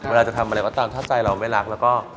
เวลาจะทำอะไรก็ตามถ้าใจเราไม่รักแล้วก็